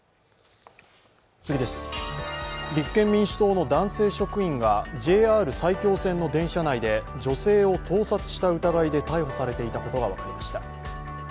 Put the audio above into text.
立憲民主党の男性職員がＪＲ埼京線の電車内で女性を盗撮した疑いで逮捕されていたことが分かりました。